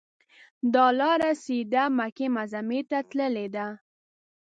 دا لاره سیده مکې معظمې ته تللې ده.